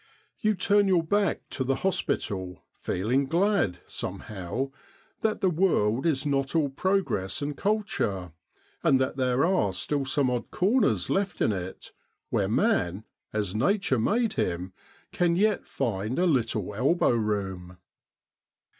You turn your back to the hospital, feeling glad, somehow, that the world is not all progress and culture, and that there are still some odd corners left in it, where man, as Nature made him, can yet find a little elbow room.